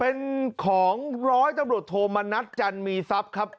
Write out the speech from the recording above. เป็นของร้อยตำรวจโทมณัฐจันมีทรัพย์ครับ